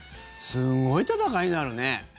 すごい戦いになるね。